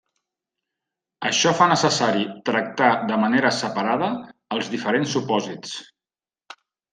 Això fa necessari tractar de manera separada els diferents supòsits.